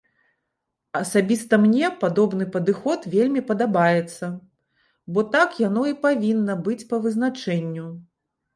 Асабіста мне падобны падыход вельмі падабаецца, бо так яно і павінна быць па вызначэнню.